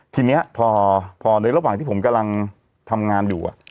ทีนี้พอในระหว่างที่ผมกำลังทำงานอยู่